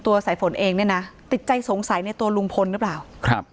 สายฝนเองเนี่ยนะติดใจสงสัยในตัวลุงพลหรือเปล่าครับ